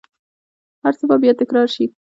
هرڅه به بیا تکرار شي